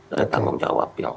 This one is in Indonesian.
dari tanggung jawab yang